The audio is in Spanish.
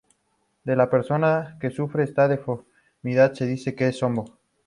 De la persona que sufre esta deformidad se dice que es "zambo".